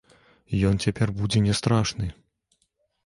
Ён цяпер будзе не страшны!